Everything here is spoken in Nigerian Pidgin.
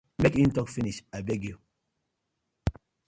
Mek im tok finish abeg yu.